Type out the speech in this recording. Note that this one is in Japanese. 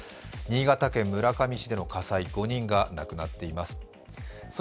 新潟県村上市での火災、５人が亡くなっています。